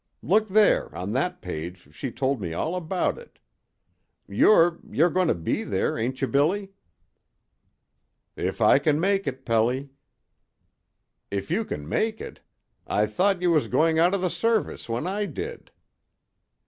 "Look there, on that page she's told me all about it. You're you're goin' to be there, ain't you, Billy?" "If I can make it, Pelly." "If you can make it! I thought you was going out of the Service when I did."